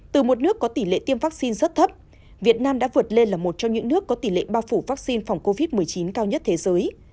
từ một nước có tỷ lệ tiêm vaccine rất thấp việt nam đã vượt lên là một trong những nước có tỷ lệ bao phủ vaccine phòng covid một mươi chín cao nhất thế giới